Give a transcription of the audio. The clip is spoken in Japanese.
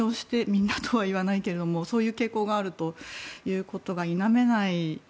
みんなとは言わないけれどもそういう傾向があるということが否めない。